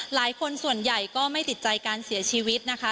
หลายคนส่วนใหญ่ก็ไม่ติดใจการเสียชีวิตนะคะ